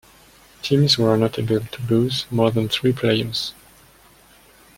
Teams were not able to lose more than three players.